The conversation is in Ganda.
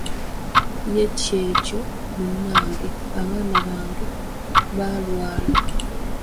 Yee kyekyo munnange, abaana bange baalwala!